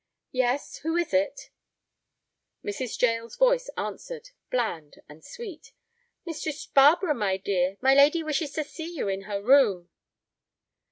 "Yes. Who is it?" Mrs. Jael's voice answered, bland and sweet: "Mistress Barbara, my dear, my lady wishes to see you in her room."